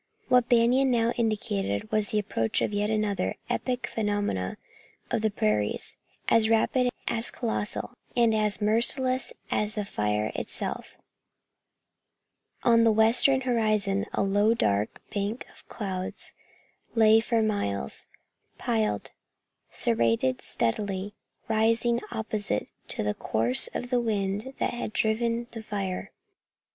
What Banion now indicated was the approach of yet another of the epic phenomena of the prairies, as rapid, as colossal and as merciless as the fire itself. On the western horizon a low dark bank of clouds lay for miles, piled, serrated, steadily rising opposite to the course of the wind that had driven the fire.